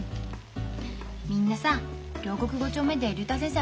みんなさ両国５丁目で竜太先生